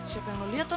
siapa yang lo liat tuan